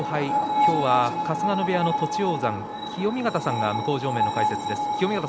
今日は春日野部屋の栃煌山清見潟さんが向正面の解説です。